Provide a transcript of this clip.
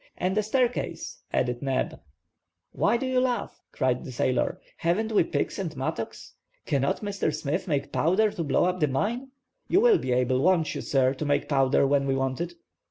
"And a staircase!" added Neb. "Why do you laugh?" cried the sailor. "Haven't we picks and mattocks? Cannot Mr. Smith make powder to blow up the mine. You will be able, won't you, sir, to make powder when we want it?"